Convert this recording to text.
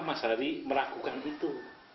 mas hari meragukan itu